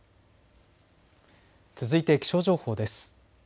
続いて気象情報です。